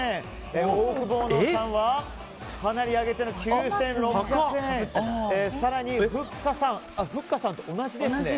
オオクボーノさんはかなり上げての９６００円ふっかさんと同じですね。